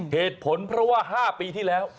เหตุผลเพราะว่า๕ปีที่แล้ว